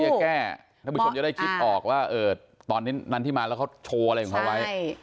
จะแก้ท่านผู้ชมจะได้คิดออกว่าตอนนั้นที่มาแล้วเขาโชว์อะไรของเขาไว้